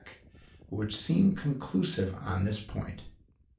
_, which seem conclusive on this point.